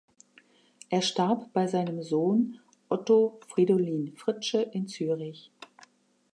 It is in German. Er starb bei seinem Sohn Otto Fridolin Fritzsche in Zürich.